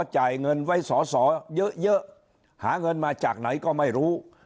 จ่ายเงินไว้สอสอเยอะหาเงินมาจากไหนก็ไม่รู้